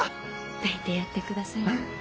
抱いてやってくださいな。